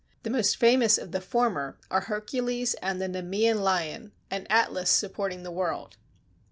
The most famous of the former are Hercules and the Nemean Lion, and Atlas supporting the world.